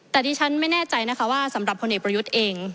แต่ดิฉันไม่แน่ใจนะคะว่าสำหรับพลเอกประยุทธ์เอง